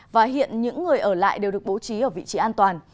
và hiện những người ở lại đều được bố trí ở vị trí an toàn